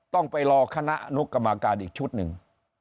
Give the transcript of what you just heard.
ต้องไปรอคณะอนุกรรมการอีกชุดหนึ่ง